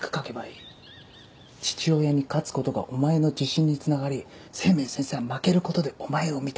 父親に勝つことがお前の自信につながり清明先生は負けることでお前を認める。